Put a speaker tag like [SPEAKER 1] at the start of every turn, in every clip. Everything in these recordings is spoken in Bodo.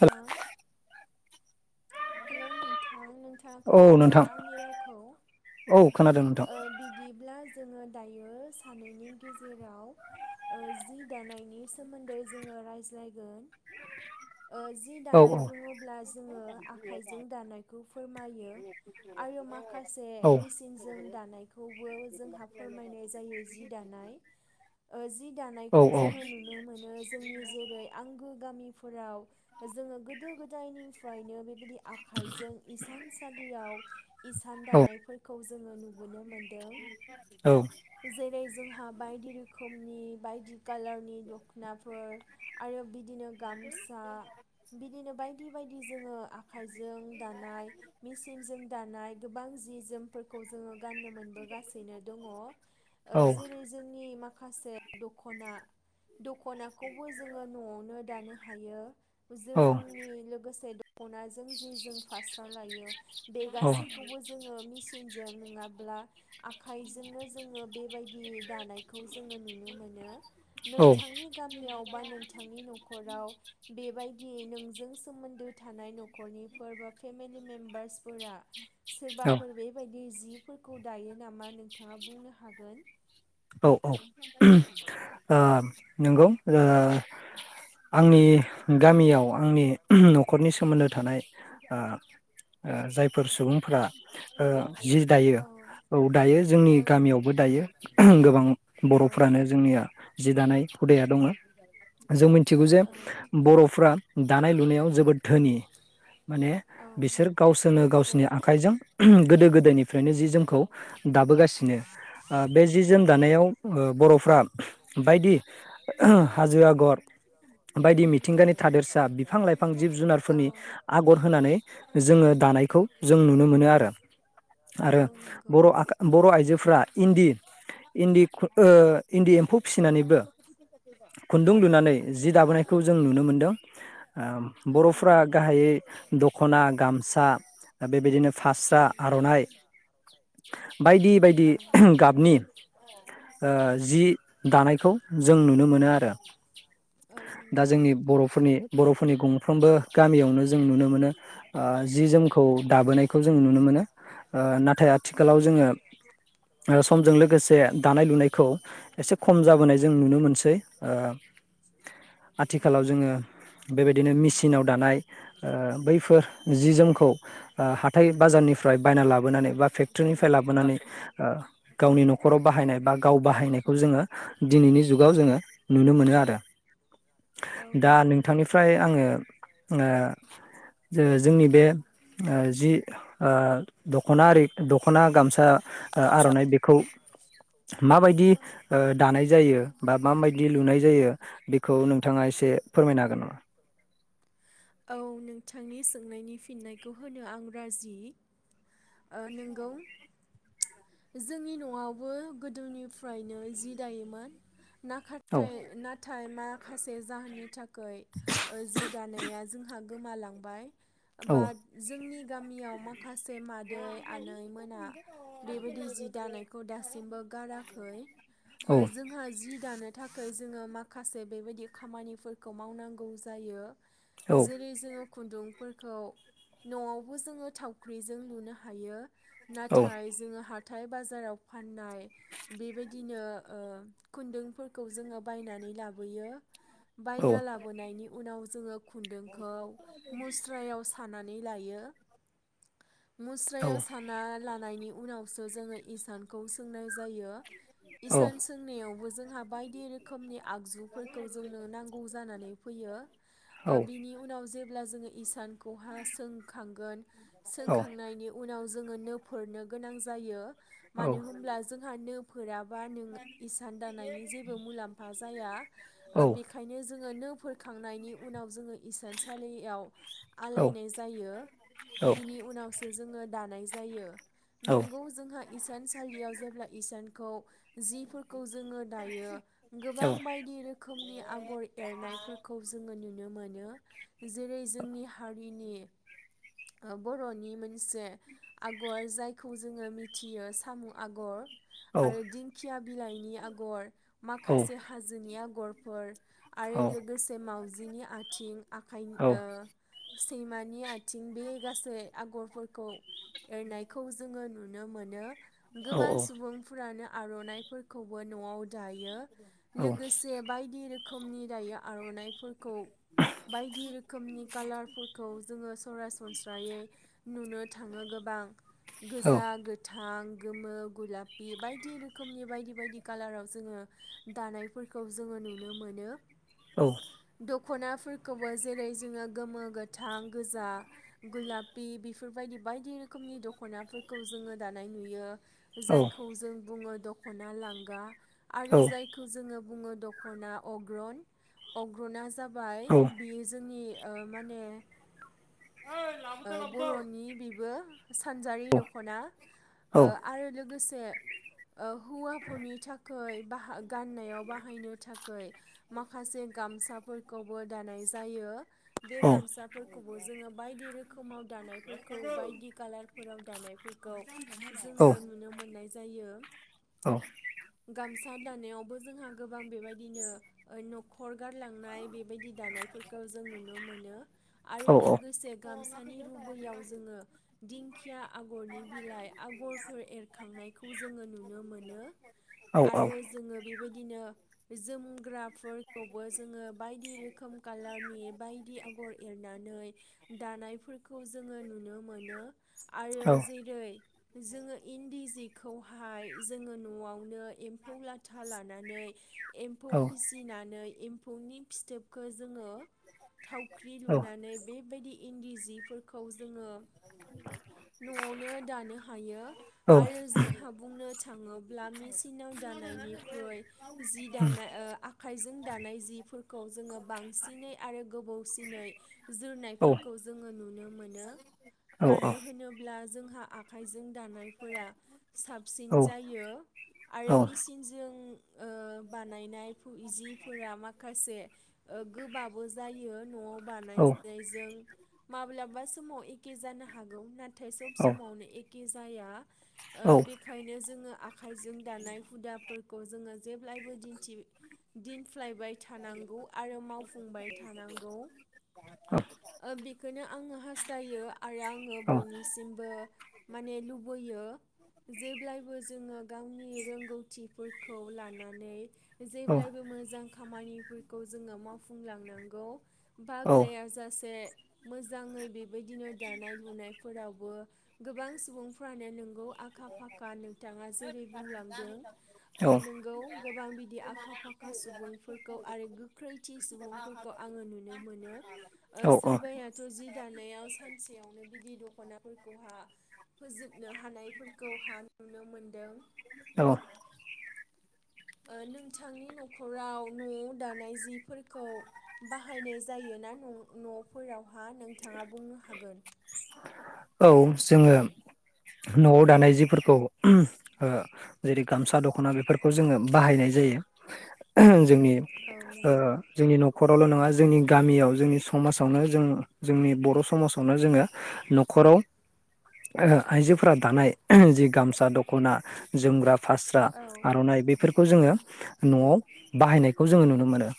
[SPEAKER 1] हेल'
[SPEAKER 2] हेलौ नोंथां आं नोंथाङा
[SPEAKER 1] औ नोंथां
[SPEAKER 2] खोनादोंना आंनि रावखौ
[SPEAKER 1] औ खोनादों नोंथां
[SPEAKER 2] ओ बिदिब्ला जोङो दायो सानैनि गेजेराव ओ जि दानायनि सोमोन्दै जोङो रायज्लायगोन। ओ जि
[SPEAKER 1] औ
[SPEAKER 2] दानाय बुङोब्ला जोङो आ आखाइजों दानायखौ फोरमायो आरो माखासे
[SPEAKER 1] औ
[SPEAKER 2] मेसिनजों दानायखौबो जोंहा फोरमायनाय जायो। जि दानाय ओ जि
[SPEAKER 1] औ
[SPEAKER 2] दानायखौ
[SPEAKER 1] औ
[SPEAKER 2] जोङो नुनो मोनो जोंनि जेरै आंगो गामि फोराव जोङो गोदो गोदायनिफ्रायनो बेबाय आखाइजों इसानसालियाव इसान
[SPEAKER 1] औ
[SPEAKER 2] दानायफोरखौ जोङो नुबोनो मोनदों
[SPEAKER 1] औ औ
[SPEAKER 2] जेरै जोंहा बायदि रोखोमनि बायदि कालारनि दख'नाफोर आरो बि दिनो गामसा बिदिनो बायदि बायदि जोङो आ खाइजों दानाय मेचिनजों दानाय गोबां जि जोमफोरखौ जोङो गाननो मोनबोगासिनो दङ। ओ जेरै जोंनि माखासे दख'ना था दख'नाखौबो जोङो न'आवनो दानो हायो जोंनि लोगोसे [unintelligible] जों जे जों फास्रा लायो बे
[SPEAKER 1] औ
[SPEAKER 2] गासैखौबो जोङो मेसिनजों नङाब्ला आखाइजोंनो जोङो बेबायदि दानायखौ जोङो नुनो मोनो।
[SPEAKER 1] औ
[SPEAKER 2] नोंथांनि गामियाव बा नोंथांनि न'खराव बेबायदि नोंजों सोमोन्दो थानाय न' खरनिफोर बा फेमिलि मेम्बार्स फोरा सोरबाफोर बेबाय बे जिफोरखौ दायो नामा नोंथाङा बुंनो हागोन।
[SPEAKER 1] औ औ ओ नोंगौ ओ आंनि गामियाव आंनि न'खरनि सोमोन्दो थानाय ओ जायफोर सुबुंफोरा ओ जि दायो
[SPEAKER 2] औ
[SPEAKER 1] औ दायो जोंनि
[SPEAKER 2] नंगौ
[SPEAKER 1] गामियावबो दायो। गोबां
[SPEAKER 2] औ
[SPEAKER 1] बर'फ्रानो जोंनिया जि दानाय हुदाया दङो। जों
[SPEAKER 2] औ
[SPEAKER 1] मिथिगौ जे
[SPEAKER 2] औ
[SPEAKER 1] बर'फ्रा दानाय लुनायाव जोबोद धोनि। माने
[SPEAKER 2] औ
[SPEAKER 1] बिसोर गावसोरनो
[SPEAKER 2] गोख्रों
[SPEAKER 1] गावसोरनि आखाइजों गोदो गोद दायनिफ्रायनो जि जोमखौ दाबोगासिनो ओ बे जि
[SPEAKER 2] औ
[SPEAKER 1] जोम दानायाव ओ बर'फ्रा बायदि हाजो आगर बायदि मिथिंगानि थादेरसा बिफां लाइफां जिब जुनारफोरनि
[SPEAKER 2] औ
[SPEAKER 1] आगर होनानै जोङो दानायखौ जों नुनो मोनो आरो, आरो
[SPEAKER 2] औ नंगौ
[SPEAKER 1] बर' आखा बर' आइजोफ्रा इन्दि इन्दि खुन ओ इन्दि एम्फौ फिसिनानैबो खुन्दुं लुनानै जि दाबोनायखौ जों नुनो मोनदों ओ
[SPEAKER 2] औ नंगौ औ
[SPEAKER 1] बर'फोरा
[SPEAKER 2] नंगौ
[SPEAKER 1] गाहायै दख'ना गामसा बेबायदिनो फास्रा आर'नाइ बायदि
[SPEAKER 2] औ
[SPEAKER 1] बायदि गाबनि ओ जि दानायखौ जों नुनो मोनो आरो दा जोंनि बर'फोरनि बर'फोरनि गं फ्रोमबो गामियावनो जों नुनो मोनो ओ जि जोमखौ खौ दाबोनायखौ जों नुनो मोनो ओ नाथाय आथिखालाव जोङो ओ समजों लोग। लोगोसे। दानाय -लुनायखौ एसे खम जाबोनाय जों नुनो मोनसै ओ आथिखालाव जोङो बेबायदिनो मेसिनाव दानाय ओ बैफोर जि जोमखौ ओ हाथाय बाजारनिफ्राय बायना लाबोनानै बा फेक्टरनिफ्राय लाबोनानै ओ गावनि न'खर। खराव बाहायनाय बा गाव बाहायनायखौ जोङो दिनैनि जुगाव जोङो। नुनो मोनो आरो
[SPEAKER 2] औ
[SPEAKER 1] दा
[SPEAKER 2] नंगौ
[SPEAKER 1] नोंथांनिफ्राय आङो ओ। जोंनि बे ओ जि ओ दख'ना आरि। दख'ना, गामसा ओ
[SPEAKER 2] गामसा
[SPEAKER 1] आर'नाइ बेखौ। माबायदि ओ दानाय जायो बा माबायदि लुनाय जायो बेखौ नोंथाङा एसे फोरमायनो हागोन नामा।
[SPEAKER 2] औ नोंथांनि सोंनायनि फिननायखौ होनो आं राजि। ओ नंगौ जोंनि न'आवबो गोदोनिफ्रायनो जि दायोमोन। नाखारथाय नाथाय मा। खासे जाहोननिथा। खै ओ जि दानाया जोंहा। गोमालांबाय।
[SPEAKER 1] औ औ
[SPEAKER 2] बाद जोंनि। गामियाव माखासे मात। दै, आनै मोना बेबायदि जि दानायखौ दासिमबो गाराखै
[SPEAKER 1] औ
[SPEAKER 2] ओ जोंहा जि दानो। थाखाय जोङो माखासे बेबायदि खामानिफोरखौ मावनांगौ जायो। जेरै जोङो खुन्दुं। फोरखौ न'आवबो जोङो थावख्रिजों लुनो। हायो नाथाय जोङो हा- थाय बाजाराव फाननाय बेबायदिनो अ खुन्दुंफोरखौ जोङो बायनानै लाबोयो बायना लाबोनायनि उनाव जोङो खुन्दुंखौ मुस्रायाव साना- नै लायो मुस्रायाव साना लानायनि उनावसो जोङो इसानखौ सोंनाय जायो। इसान सोंनायावबो जोंहा बायदि रोखोमनि आगजुफोरखौ जोंनो नांगौ जानानै फैयो अ बिनि उनाव जे अब्ला जोङो इसान- खौहा सोंखांगोन सों- खांनायनि उनाव जोङो नो फोरनो गोनां जायो मानो होमब्ला जोंहा नो फोराब बा नों इसान दानायनि जेबो मुलाम्फा जाया अ बेनिखायनो जोंङो नो- फोरखांनायनि उनाव जोंङो इसानसालियाव आलायनाय जायो बिनि उनाव जोंङो दानाय जायो। नेंगौ जोंहाय इसानसालियाव जेब्ला इसानखौ जिफोरखौ जोंङो दायो गोबां बायदि रोखोमनि आगर एरनायफोरखौ जोंङो नु- नो मोनो जेरै- जोंनि हारिनि अ बर'नि जे आगर जाय- खौ जोंङो मिथियो सामु' आगर आरो दिंखिया बिलाइनि आगर माखासे हाजोनि आ- गरफोर आरो लोगोसे माउ- जिनि आथिं आखाइनि अ सैमानि आथिं बे गासै आगरफोर खौ एरनायखौ जोंङो नु नो मोनो। गोबां सुबुंफोरानो आर'नाइफोरखौबो न'आव दायो लोगोसे बायदि रोखोम रोखोमनि दायो आर'नाइफोर खौ बायदि रोखोमनि कालारफोरखौ जोंङो सरा सनस्रायै नुनो थांङो गोबां गोजा गोथां थां गोमो गुलापि बायदि रोखोमनि बायदि-बायदि कालाराव जोंङो दानायफोरखौ जोंङो नुनो मोनो।
[SPEAKER 1] औ।
[SPEAKER 2] दख'नाफोरखौबो जेरै जोंङो गोमो गोथां गोजा गुलापि बे फोरबायदि बायदि रोखोमनि दख'नाफोरखौ जोंङो दानाय नुयो।
[SPEAKER 1] औ
[SPEAKER 2] जायखौ जों बुंङो दख'ना लांगा आरो जायखौ जोङो बुङो दख'ना अग्रन अग्रना जा बाय बेयो जोंनि ओ माने
[SPEAKER 1] ओइ लाबोद'-लाबोद'।
[SPEAKER 2] नि बेबो सानजारि दख'ना ओ आरो लो गोसे ओ हौवाफोरनि थाखाय बाहा गाननायाव बाहायनो थाखाय माखासे गामसाफोरखौबो दानाय जायो। बे गामसाफोरखौबो जोङो बायदि रोखोमाव दानायफोर खौ बायदि कालार फोराव दानायफोरखौ जोङो नुनो मोननाय जायो गाम सा दानायावबो जोंहा गोबां बेबायदिनो ओ न'खर गारलांनाय बेबायदि दानायफोरखौ जों नुनो मोनो। आरो लोगोसे गामसानि रुबैयाव जोङो दिंखिया आगरनि बिलाइ आगरफोर एरखांनायखौ जोङो नुनो मोनो आरो जोङो बेबायदिनो जोमग्राफोरखौबो जोङो बायदि रोखोम कालारनि बायदि आगर एरनानै दानायफोरखौ जोङो नुनो मोनो आरो जेरै जोङो इन्दि जिखौ खौहाय जोङो न'आवनो नो एम्फौ लाथा लानानै एम्फौ फिसिनानै एम्फौनि फिथोबखौ जोङो थावख्रि लुनानै बेबायदि इन्दि जि खौ जोङो
[SPEAKER 1] [inaudible]
[SPEAKER 2] न'आवनो दानो हायो आरो जोंहा बुंनो थाङोब्ला मेसिनाव दानायनिख्रुइ जि दानाय आखाइजों दानाय जिफोरखौ जोङो बांसिनै आरो गोबौसिनै जोरनायफोरखौ जोङो नुनो मोनो मानो होनोब्ला जोंहा आखाइजों दानायफोरा साबसिन जायो आरो मेसिनजों ओ बानायनाय जिफोरा माखासे गोबाबो जायो न'आव बानायज नायजों माब्लाब बा समाव एके जानो हागौ नाथ थाय सब समावनो एक के जाया ओ बेखायनो जोङो आखाइजों दानाय हुदाफोरखौ जोङो जेब्लायबो दिन्थि दिनफ्लायबाय थानांगौ आरो मावफुंबाय थानांगौ ओ बेखौनो
[SPEAKER 1] [unintelligible]
[SPEAKER 2] आङो हास्थायो आरो आङो बयनिसिमबो माने लुबैयो जेब्लायबो जोङो गावनि रोंगौथिफोरखौ लानानै जेब्लायबो मोजां खामानिफोरखौ जोङो मावफुंलांनांगौ। बाग्लायाजासे मोजाङै बे बेदिनो दानाय लुनायफोराव बो गोबां सुबुंफ्रानो नोंगौ। आखा फाखा नोंथाङा जेरै बुंलांदों ओ नोंगौ गोबां बिदि आखा फाखा सुबुंफोरखौ आरो गोख्रैथि सुबुंफोरखौ आङो नुनो मोनो ओ सोरबाया जि दानायाव सानसेयावनो बिदि दख'नाफोरखौ हा फोजोबनो हानायफोरखौ हा नुनो मोनदों। ओ नोंथांनि न'खराव न'आव दानाय जिफोरखौ बाहायनाय जायो ना न' न' फोरावहा नोंथाङा बुंनो हागोन?
[SPEAKER 1] औ जोङो न'आव दानाय जिफोरखौ ओ जेरै गामसा दख'ना बेफोरखौ जोङो बाहायनाय जायो जोंनि
[SPEAKER 2] औ
[SPEAKER 1] [unintelligible] ओ
[SPEAKER 2] नंगौ
[SPEAKER 1] जोंनि न'खरावल' नङा। जोंनि गामियाव जोंनि समाजावनो जों जोंनि बर' समजआवनो जोङो न'ख खराव ओ आइजोफोरा दानाय जि गामसा दख'ना जोमग्रा फास्रा
[SPEAKER 2] औ
[SPEAKER 1] आर'नाइ बेफोरखौ
[SPEAKER 2] औ
[SPEAKER 1] जोङो न'आव बाहायनायखौ जोङो नुनो मोनो।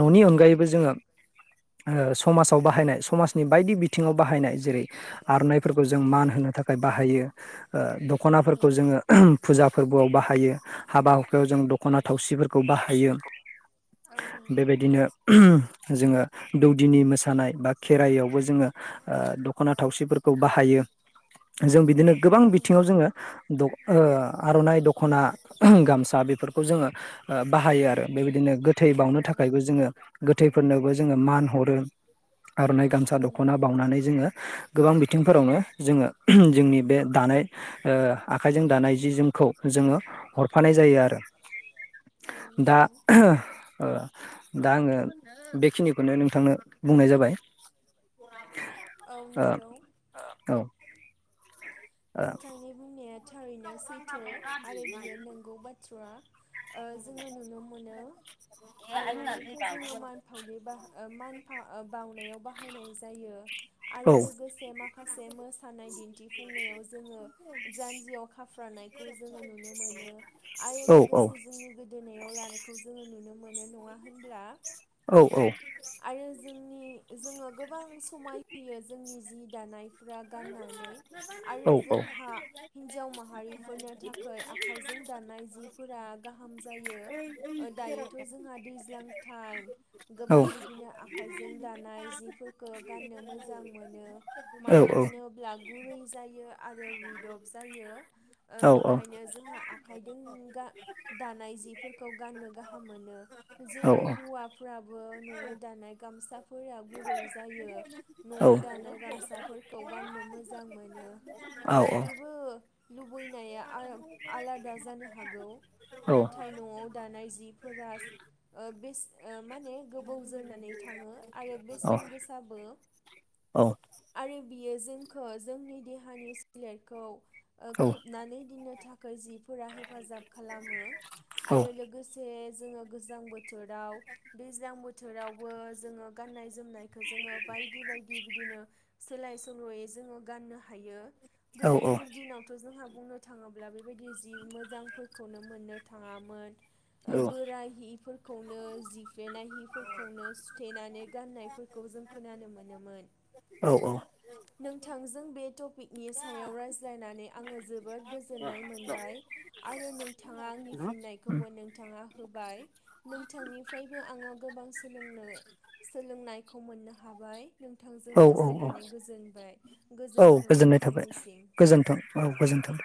[SPEAKER 2] औ नंगौ
[SPEAKER 1] अनगायैबो जोङो ओ समाजाव बाहायनाय समाजनि बायदि बिथिङाव बाहायनाय जेरै आर'नायफोरखौ जों मान होनो थाखाय बाहायो ओ
[SPEAKER 2] औ
[SPEAKER 1] दख'नाफोरखौ जोङो फुजा फोरबोआव बाहायो हाबा हुख खो जों दख'ना थावसिफोरखौ बाहायो
[SPEAKER 2] थावसिफोरखौ औ नंगौ
[SPEAKER 1] बेबायदिनो जोङो दौदिनि मोसानाय बा खेराइयावबो जोङो ओ दख दखना थावसिफोरखौ बाहायो जों बिद दिनो गोबां
[SPEAKER 2] औ
[SPEAKER 1] बिथिङाव
[SPEAKER 2] नंगौ
[SPEAKER 1] जोङो दख ओ आर'नाइ दख'ना गामसा बेफोरखौ जोङो ओ बाहायो आरो बेबायदिनो गोथै
[SPEAKER 2] औ
[SPEAKER 1] बावनो थाखायबो जोङो गोथ थैफोरनोबो जोङो मान हरो। आर'नाइ गामसा दख'ना
[SPEAKER 2] नंगौ
[SPEAKER 1] बावनानै जोङो गोबां बिथिंफोरावनो जोङो जोंनि बे दानाय आखाइजों दानाय जि जोमखौ जोङो हरफानाय जायो आरो
[SPEAKER 2] औ नंगौ
[SPEAKER 1] [unintelligible] बेखिनिखौनो नोंथांनो बुंनाय जाबाय
[SPEAKER 2] औ नोंगौ
[SPEAKER 1] ओ औ
[SPEAKER 2] नोंथांनि बुंनाया थारैनो सैथो आरो बियो नंगौबा [inaudible] जोङो नुनो मोनो आर'नाइखौ जोङो मानफाव बा मान बावनायाव बाहायनाय जायो आरो लोगोसे माखासे मोसानाय दिन्थिफुंनायाव जोङो जानजियाव खाफ्रानायखौ जोङो नुनो मोनो आरो
[SPEAKER 1] ओ औ
[SPEAKER 2] लोगोसे जों गोदोनायाव लानायखौ जोङो नुनो मोनो मोनो नङा होनब्ला
[SPEAKER 1] औ औ
[SPEAKER 2] आरो जोंनि जोङो गोबां समाय होयो जोंनि जि दानाय फ्रा गाननानै
[SPEAKER 1] औ
[SPEAKER 2] आरो जोंहा हिन्जाव माहारिफोरनि थाखाय आखाइजों दानाय फोरा गाहाम जायो। दायोथ' जोंहा दैज्लां फाइ
[SPEAKER 1] औ
[SPEAKER 2] गोबां बिदिनो आं आखाइजों दानाय जिफोरखौ गाननो मोजां मोनो।
[SPEAKER 1] औ
[SPEAKER 2] मानो होनोब्ला गुरै जायो आरो रिदब जायो। ओ
[SPEAKER 1] औ
[SPEAKER 2] बेखायनो जोंहा आ आखाइजों गा दानाय जिफोरखौ गाननो गाहाम मोनो। जेरे होवाफ फोराबो न'आव दानाय गामसाफोरा गुरै जायो। न' आव
[SPEAKER 1] औ
[SPEAKER 2] दानाय गामसा फोरखौ गाननो मोजां मोनो बयनिबो लुबैनाया आ आलादा जानो हागौ नाथाय न'आव दानाय जिफोरा बेसे ओ बेसे मा होनो गोबाव जोरनानै थाङो आरो बेसेन गोसाबो आरो बियो जोखौ जोंनि देहानि सोलेरखौ ओ खोबनानै दोननो थाखा गोजिब फोरा हेफाजाब खालामो आरो लोगोसे जोंङो गोजां बो‌थोराव दैज्लांथोरावबो जोङो गाननाय जोमनाय जोङो बायदि बायदि बिदिनो सोलाय सोल'यै जोङो गाननो हायो। गोदोनि दिनावथ' जोंहा बुंनो थाङोब्ला बेबायदि जि मोजांफोरखौनो मोननो थाङामोन ओ बोराय बिफोर खौनो जिफेनायहिफोरखौनो सुथेनानै गाननायफोरखौ जों खोनानो मोनोमोन।
[SPEAKER 1] औ औ।
[SPEAKER 2] नों बिथांजों बे टपिकनि सायाव रायज्लायनानै आङो जोबोद गोजोननाय मोनबाय आरो नों बिथाङा आंनि फिननायखौबो नों नोंथाङा होबाय नोंथांनिफ्रायबो आङो गोबां सोलोंनो सोलोंनायखौ मोननो हाबाय नोंथांजों
[SPEAKER 1] औ औ
[SPEAKER 2] रायज्लायनानै गोजोनबाय।
[SPEAKER 1] औ
[SPEAKER 2] गोजोन्थों
[SPEAKER 1] गोजोननाय थाबाय
[SPEAKER 2] नोंथांनिसिम।
[SPEAKER 1] गोजोनथों औ गोजोन्थों